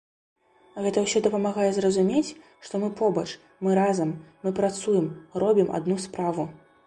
Гэта ўсё дапамагае зразумець, што мы побач, мы разам, мы працуем, робім адну справу.